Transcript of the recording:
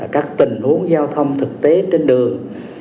các tình huống giao thông thực tế trên đường